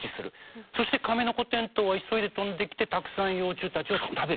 そしてカメノコテントウは急いで飛んできてたくさん幼虫たちを食べる。